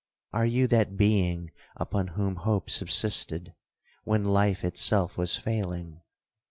Are you that being upon whom hope subsisted, when life itself was failing?